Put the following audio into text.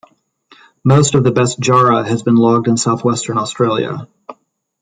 Most of the best jarrah has been logged in southwestern Australia.